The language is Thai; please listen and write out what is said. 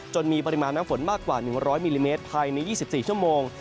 มีปริมาณน้ำฝนมากกว่า๑๐๐มิลลิเมตรภายใน๒๔ชั่วโมง